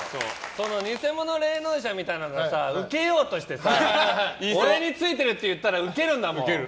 偽物霊能者みたいなのがウケようとしてさ俺についてるって言ったらウケるんだもん！